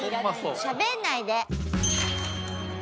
しゃべんないで。